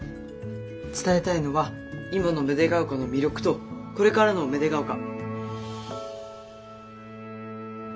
伝えたいのは今の芽出ヶ丘の魅力とこれからの芽出ヶ丘。